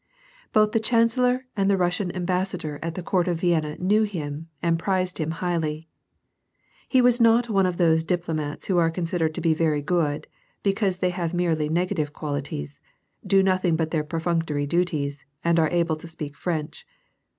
Both the chancellor and the Russian embassador at the court of Vienna knew him and prized him highly. He was not one of those diplomats who are considered to be very good, because they have merely negative qualities, do nothing but their perfunctory duties, and are able to speak French.